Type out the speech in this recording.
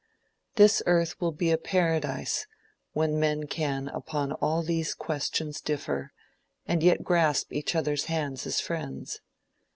This earth will be a paradise when men can, upon all these questions differ, and yet grasp each other's hands as friends.